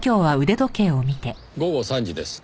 午後３時です。